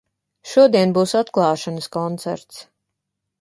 Šodien būs atklāšanas koncerts.